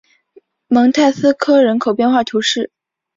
蒙泰斯科人口变化图示